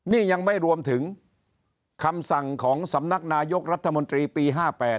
นี่ยังไม่รวมถึงคำสั่งของสำนักนายกรัฐมนตรีปี๕๘